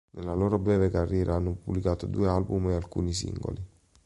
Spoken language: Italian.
Nella loro breve carriera hanno pubblicato due album e alcuni singoli.